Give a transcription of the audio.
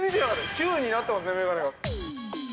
Ｑになってますね、眼鏡が。